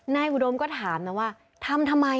อุดมก็ถามนะว่าทำทำไม